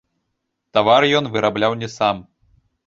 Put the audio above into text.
Тавар ён вырабляў не сам.